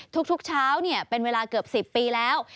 ทุกเช้าเป็นเวลาเกือบ๑๐ปีแล้ว